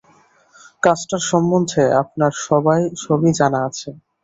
কাজটার সম্বন্ধে আপনার সবই জানা আছে।